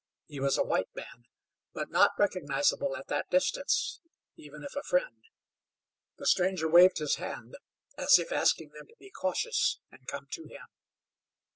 He was a white man, but not recognizable at that distance, even if a friend. The stranger waved his hand as if asking them to be cautious, and come to him.